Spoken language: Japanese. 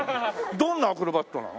どんなアクロバットなの？